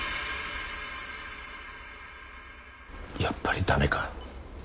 やっぱりダメか。